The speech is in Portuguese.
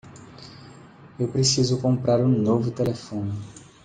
Eu preciso comprar um novo telefone.